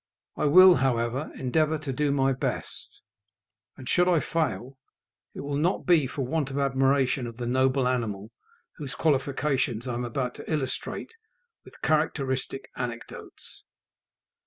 I will, however, endeavour to do my best; and should I fail, it will not be for want of admiration of the noble animal whose qualifications I am about to illustrate with characteristic anecdotes.